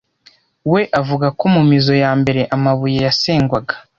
We avuga ko mu mizo ya mbere amabuye yasengwaga